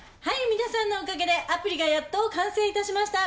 皆さんのおかげでアプリがやっと完成いたしました。